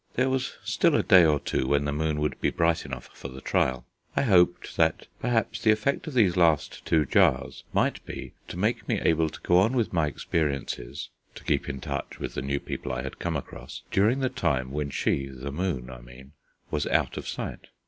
There was still a day or two when the moon would be bright enough for the trial. I hoped that perhaps the effect of these two last jars might be to make me able to go on with my experiences to keep in touch with the new people I had come across during the time when she the moon, I mean was out of sight.